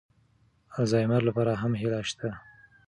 الزایمر لپاره هم هیله شته.